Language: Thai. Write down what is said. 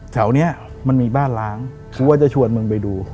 แถวนี้มันมีบ้านล้างกูว่าจะชวนมึงไปดู